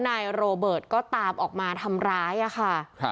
นายโรเบิร์ตก็ตามออกมาทำร้ายค่ะ